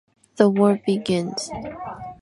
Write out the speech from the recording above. The war begins.